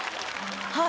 はい。